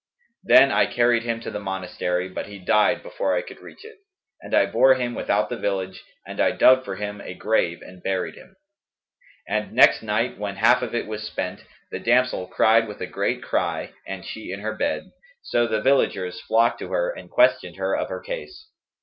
Then I carried him to the monastery, but he died, before I could reach it, and I bore him without the village and I dug for him a grave and buried him. And next night when half of it was spent, the damsel cried with a great cry (and she in her bed); so the villagers flocked to her and questioned her of her case.